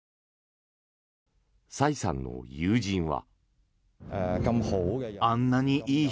サイさんの友人は。